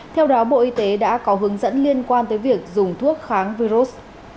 theo đó bộ y tế đã có hướng dẫn liên quan tới việc dùng thuốc kháng virus